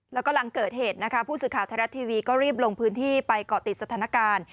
แล้วก็หลังเกิดเหตุนะคะผู้สื่อข่าวไทยรัฐทีวีก็รีบลงพื้นที่ไปเกาะติดสถานการณ์